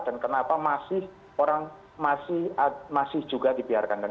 dan kenapa orang masih juga dibiarkan